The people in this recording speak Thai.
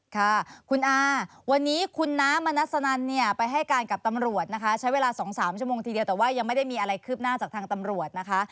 ค่ะคุณอาวันนี้คุณน้ามณัสนันเนี่ยไปให้การกับตำรวจนะคะใช้เวลา๒๓ชั่วโมงทีเดียวแต่ว่ายังไม่ได้มีอะไรคืบหน้าจากทางตำรวจนะคะ